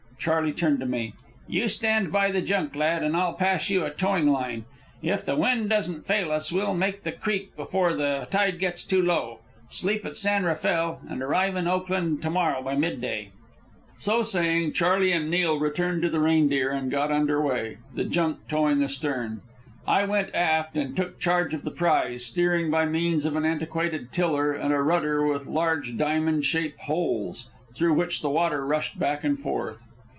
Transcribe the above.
Charley turned to me. "You stand by the junk, lad, and I'll pass you a towing line. If the wind doesn't fail us, we'll make the creek before the tide gets too low, sleep at San Rafael, and arrive in Oakland to morrow by midday." So saying, Charley and Neil returned to the Reindeer and got under way, the junk towing astern. I went aft and took charge of the prize, steering by means of an antiquated tiller and a rudder with large, diamond shaped holes, through which the water rushed back and forth.